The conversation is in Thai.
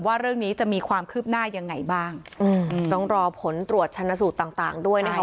ว่าเรื่องนี้จะมีความคืบหน้ายังไงบ้างอืมต้องรอผลตรวจชนะสูตรต่างต่างด้วยนะคะ